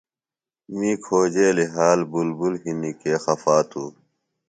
می کھوجیلیۡ حال بُلبُل ہِنیۡ کے خفا توۡ۔